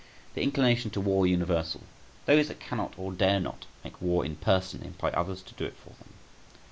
The inclination to war universal; those that cannot or dare not make war in person employ others to do it for them.